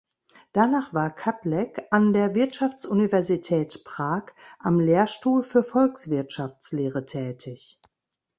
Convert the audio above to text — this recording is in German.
Danach war Kadlec an der Wirtschaftsuniversität Prag am Lehrstuhl für Volkswirtschaftslehre tätig.